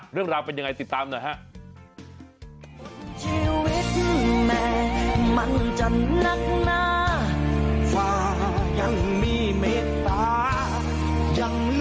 เรื่องราวเป็นยังไงติดตามหน่อยฮะ